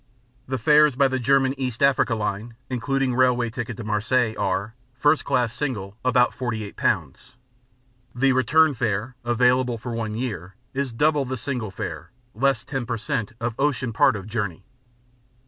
The fares by the German East African Line (including railway ticket to Marseilles) are: First Class; Single, about 48 pounds. The Return fare (available for one; year) is double the Single fare, less 10 per cent, of ocean part of journey.